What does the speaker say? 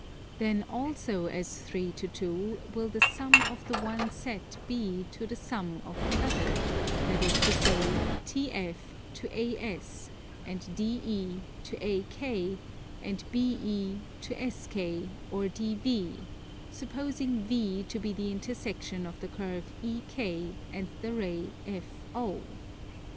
Then also as 3 to 2 will the sum of the one set be to the sum of the other; that is to say, TF to AS, and DE to AK, and BE to SK or DV, supposing V to be the intersection of the curve EK and the ray FO.